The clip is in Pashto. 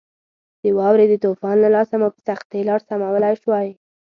د واورې د طوفان له لاسه مو په سختۍ لار سمولای شوای.